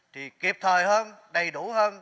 thì kịp thời hơn đầy đủ hơn